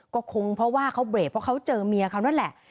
ก็คงเพราะว่าเขาเบรกเพราะเขาเจอเมียเขานั่นแหละ